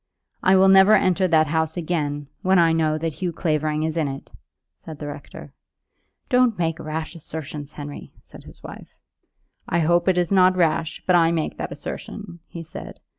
"I will never enter that house again, when I know that Hugh Clavering is in it," said the rector. "Don't make rash assertions, Henry," said his wife. "I hope it is not rash, but I make that assertion," he said.